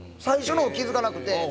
最初の方気付かなくて。